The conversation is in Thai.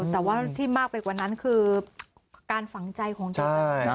แต่ว่าที่มากไปกว่านั้นคือการฝังใจของเธอ